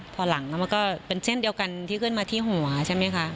พอหลังแล้วมันก็เป็นเช่นเดียวกันที่ขึ้นมาที่หัวใช่ไหมคะ